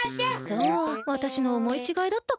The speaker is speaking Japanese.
そうわたしのおもいちがいだったか。